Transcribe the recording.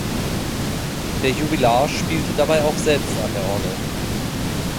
Der Jubilar spielte dabei auch selbst an der Orgel.